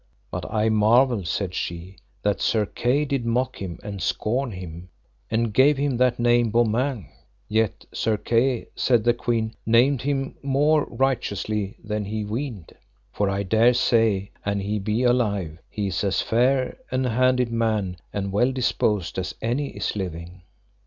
But I marvel, said she, that Sir Kay did mock him and scorn him, and gave him that name Beaumains; yet, Sir Kay, said the queen, named him more righteously than he weened; for I dare say an he be alive, he is as fair an handed man and well disposed as any is living.